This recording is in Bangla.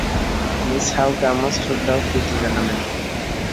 মিস হাউ-কে আমার শ্রদ্ধা ও প্রীতি জানাবে।